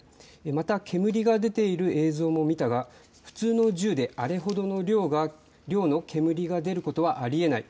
また煙が出ている映像も見たが普通の銃であれほどの量の煙が出ることはありえない。